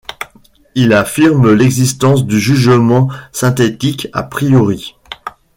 Il affirme l'existence du jugement synthétique a priori.